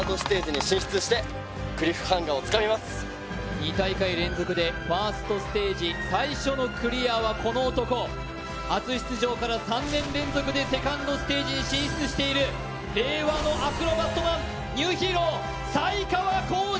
２大会連続でファーストステージ、最初のクリアはこの男、初出場から３年連続でセカンドステージに進出している令和のアクロバットマンニューヒーロー、才川コージ